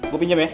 gue pinjam ya